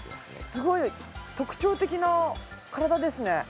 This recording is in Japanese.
すごい特徴的な体ですね。